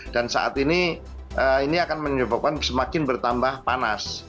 dan saat ini akan menyebabkan semakin bertambah panas